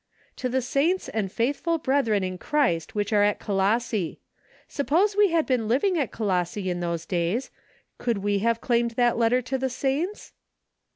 "To the saints and faithful brethren in Christ which are at Colosse." Suppose we had been living at Colosse in those days, could we have claimed that letter to the saints